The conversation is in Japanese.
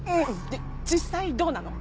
実際どうなの？